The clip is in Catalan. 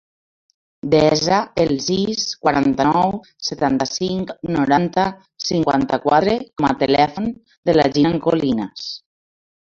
Desa el sis, quaranta-nou, setanta-cinc, noranta, cinquanta-quatre com a telèfon de la Jinan Colinas.